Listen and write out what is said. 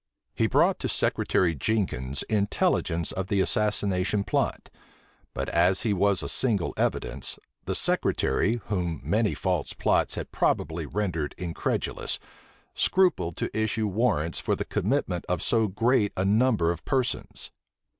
He brought to Secretary Jenkins intelligence of the assassination plot; but as he was a single evidence, the secretary, whom many false plots had probably rendered incredulous, scrupled to issue warrants for the commitment of so great a number of persons.